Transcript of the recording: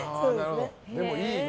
でも、いい。